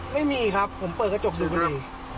ไม่มีครับผมเปิดกระจกดูพอดี